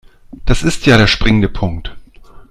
Das ist ja der springende Punkt.